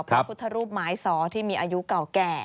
พระพุทธรูปไม้ซ้อที่มีอายุเก่าแก่